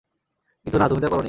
কিন্তু না, তুমি তা করনি।